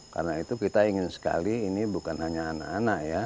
karena itu kita ingin sekali ini bukan hanya anak anak ya